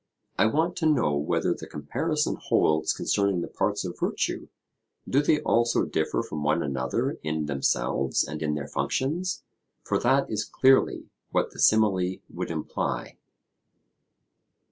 I want to know whether the comparison holds concerning the parts of virtue. Do they also differ from one another in themselves and in their functions? For that is clearly what the simile would imply.